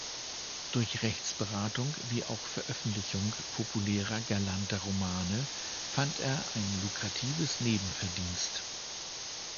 Durch Rechtsberatung wie auch Veröffentlichung populärer "galanter" Romane fand er ein lukratives Nebenverdienst.